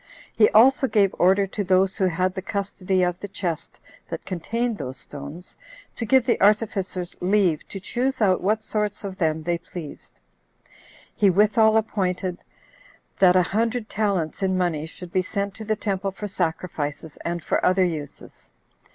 He also gave order to those who had the custody of the chest that contained those stones, to give the artificers leave to choose out what sorts of them they pleased. He withal appointed, that a hundred talents in money should be sent to the temple for sacrifices, and for other uses.